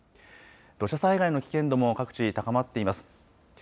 土砂災害の危険度も各地、高まっています。